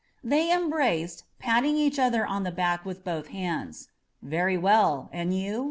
They embraced, patting each other on the back with both hands. Very welL And you?